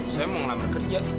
saya mau ngelamar kerja